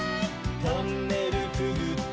「トンネルくぐって」